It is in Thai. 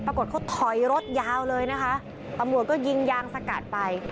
ปรากฏเขาถอยรถยาวเลยนะคะตำรวจก็ยิงยางสกัดไป